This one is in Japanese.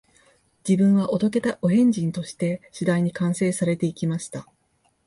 自分はお道化たお変人として、次第に完成されて行きました